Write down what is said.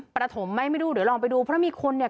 ประถมไหมไม่รู้เดี๋ยวลองไปดูเพราะมีคนเนี่ย